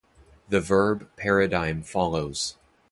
The verb paradigm follows.